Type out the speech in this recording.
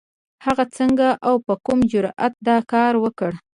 هغې څنګه او په کوم جرئت دا کار وکړ؟